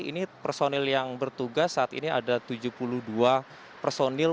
ini personil yang bertugas saat ini ada tujuh puluh dua personil